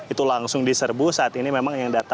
itu langsung diserbu saat ini memang yang terjadi adalah